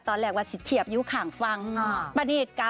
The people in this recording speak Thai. เพราะว่าพี่จิตเป็นคนหยั่นเหลือหยั่นหน้า